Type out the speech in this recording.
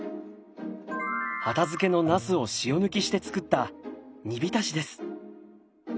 畑漬のなすを塩抜きしてつくった煮浸しです。